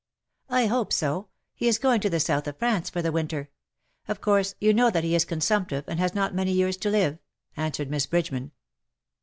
'^ I hope so. He is going to the South of France for the winter. Of course, you know that he is consumptive, and has not many years to live,^'' answered Miss Bridgeman.